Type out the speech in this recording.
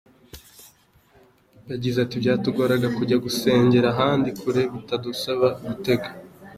Yagize ati “Byatugoraga kujya gusengera ahandi kure bikadusaba gutega.